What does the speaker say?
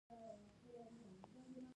هلته د هغه برخلیک تر اغېز لاندې وي.